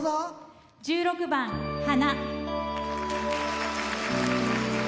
１６番「花」。